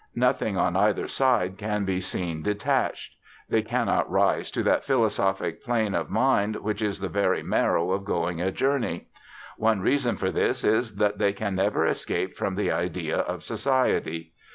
Nothing on either side can be seen detached. They cannot rise to that philosophic plane of mind which is the very marrow of going a journey. One reason for this is that they can never escape from the idea of society.